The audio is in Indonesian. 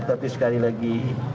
tapi sekali lagi